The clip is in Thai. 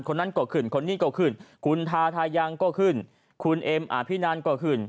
คนนั้นก็ขึ้นคนนี้ก็ขึ้นคุณทาทายังก็ขึ้นคุณเอ็มอภินันก็ขึ้น